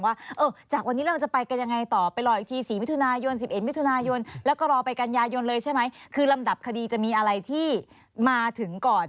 วันนี้จะมีอะไรที่มาถึงก่อน